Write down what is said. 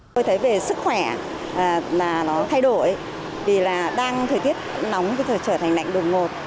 tôi thấy về sức khỏe là nó thay đổi vì là đang thời tiết nóng trở thành lạnh đột ngột